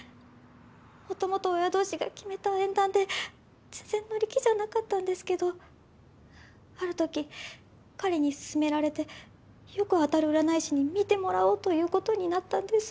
もともと親同士が決めた縁談で全然乗り気じゃなかったんですけどある時彼に勧められてよく当たる占い師に見てもらおうということになったんです。